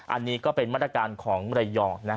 อันนี้ก็เป็นมาตรการของระยอง